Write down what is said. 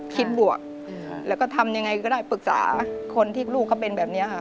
บวกแล้วก็ทำยังไงก็ได้ปรึกษาคนที่ลูกเขาเป็นแบบนี้ค่ะ